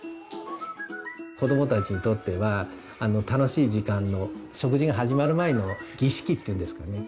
子どもたちにとっては楽しい時間の食事が始まる前の儀式っていうんですかね。